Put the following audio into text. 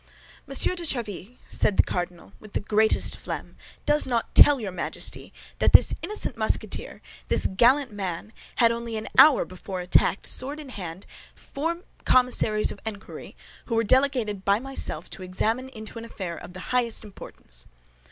"Monsieur de Tréville," said the cardinal, with the greatest phlegm, "does not tell your Majesty that this innocent Musketeer, this gallant man, had only an hour before attacked, sword in hand, four commissaries of inquiry, who were delegated by myself to examine into an affair of the highest importance."